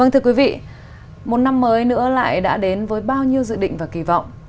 thưa quý vị một năm mới nữa lại đã đến với bao nhiêu dự định và kỳ vọng